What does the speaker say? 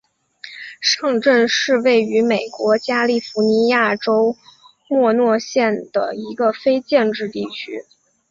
上镇是位于美国加利福尼亚州莫诺县的一个非建制地区。